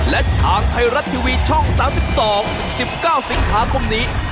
และทางไทยรัฐทีวีช่อง๓๒๑๙สิงหาคมนี้